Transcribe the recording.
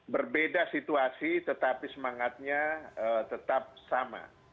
berbeda situasi tetapi semangatnya tetap sama